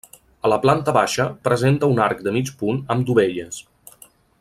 A la planta baixa presenta un arc de mig punt amb dovelles.